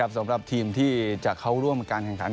สำหรับทีมที่จะเข้าร่วมกันการกัน